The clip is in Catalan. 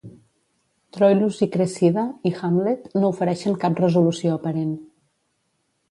"Troilus i Cressida" i "Hamlet" no ofereixen cap resolució aparent.